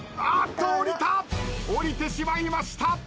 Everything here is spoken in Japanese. おりてしまいました。